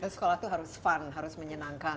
sekolah itu harus fun harus menyenangkan